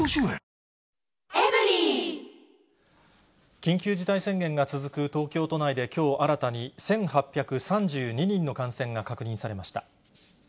緊急事態宣言が続く東京都内できょう新たに、１８３２人の感染が確認されました。